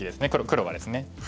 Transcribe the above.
黒がですね。